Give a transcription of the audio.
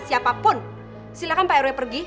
siapapun silahkan prw pergi